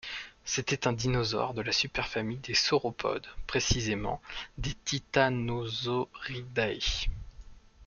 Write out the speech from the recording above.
C'était un dinosaure de la super-famille des sauropodes, précisément des Titanosauridae.